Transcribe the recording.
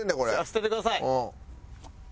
捨ててください！